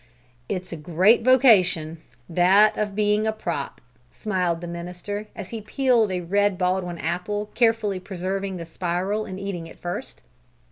"It's a great vocation that of being a prop," smiled the minister, as he peeled a red Baldwin apple, carefully preserving the spiral and eating it first.